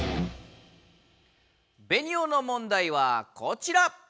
ベニオの問題はこちら。